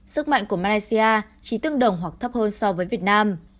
sức mạnh của malaysia chỉ tương đồng hoặc thấp hơn so với việt nam